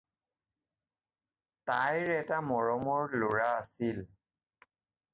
তাইৰ এটা মৰমৰ ল'ৰা আছিল।